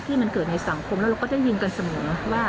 ที่มันเกิดในสังคมแล้วเราก็ได้ยินกันเสมอว่า